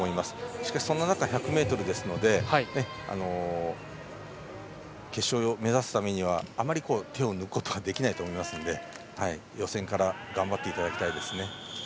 しかし、そんな中１００ｍですので決勝を目指すためにはあまり手を抜くことができないと思いますので予選から頑張っていただきたいです。